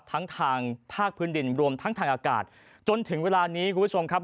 ทางภาคพื้นดินรวมทั้งทางอากาศจนถึงเวลานี้คุณผู้ชมครับ